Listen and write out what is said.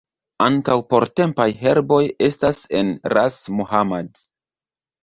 Ankaŭ portempaj herboj estas en Ras Muhammad.